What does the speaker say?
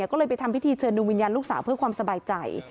ก็เลยไปทำพิธีเชิญดวงวิญญาณลูกสาวเพื่อความสบายใจ